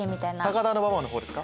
高田馬場のほうですか？